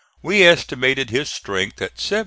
We estimated his strength at 70,000.